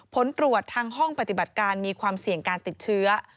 ผลตรวจทางห้องปฏิบัติการมีความเสี่ยงการติดเชื้อ